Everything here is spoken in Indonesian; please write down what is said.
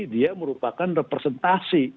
dia merupakan representasi